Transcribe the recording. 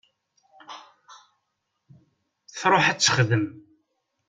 Truḥ ad texdem.